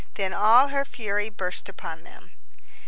Then all her fury burst upon them.